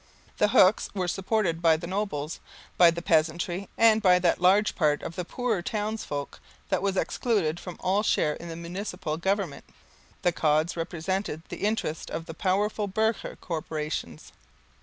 The Hooks were supported by the nobles, by the peasantry and by that large part of the poorer townsfolk that was excluded from all share in the municipal government. The Cods represented the interests of the powerful burgher corporations.